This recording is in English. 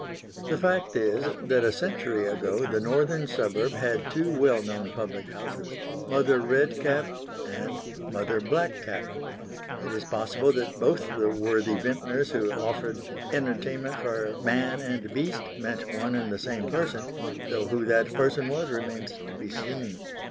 The fact is that a century ago the northern suburb had two well known public houses, Mother Red Cap and Mother Black Cap. It is possible that both the worthy vintners who offered "entertainment for man and beast" meant one and the same person, though who that person was remains to be seen.